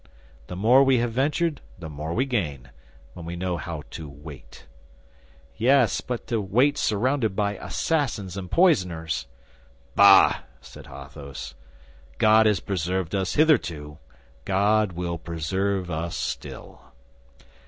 The more we have ventured the more we gain, when we know how to wait." "Yes; but to wait surrounded by assassins and poisoners." "Bah!" said Athos. "God has preserved us hitherto, God will preserve us still."